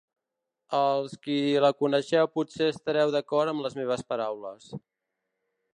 Els qui la coneixeu potser estareu d’acord amb les meves paraules.